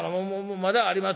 まだあります